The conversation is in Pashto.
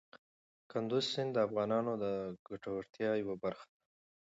کندز سیند د افغانانو د ګټورتیا یوه برخه ده.